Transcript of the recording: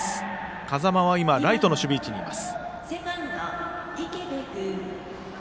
風間は今ライトの守備位置にいます。